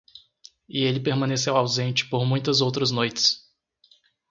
E ele permaneceu ausente por muitas outras noites.